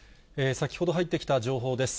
先ほど入ってきた情報です。